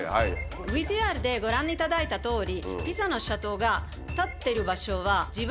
ＶＴＲでご覧いただいたとおり。